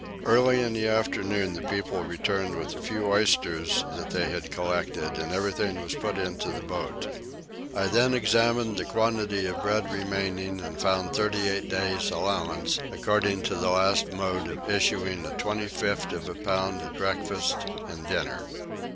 Early in the afternoon the people returned with the few oysters that they had collected and everything was put into the boat. I then examined the quantity of bread remaining and found 38 days allowance, according to the last mode of issuing a 25th of a pound at breakfast and at dinner.